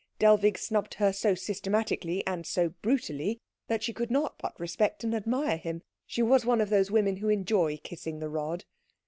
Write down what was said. Dellwig snubbed her so systematically and so brutally that she could not but respect and admire him: she was one of those women who enjoy kissing the rod.